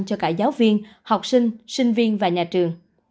cho cả giáo viên học sinh sinh viên và nhà trường